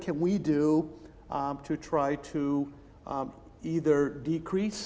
dan kemudian apa yang bisa kita lakukan